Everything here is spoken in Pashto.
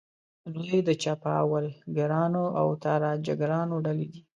دوی د چپاولګرانو او تاراجګرانو ډلې دي.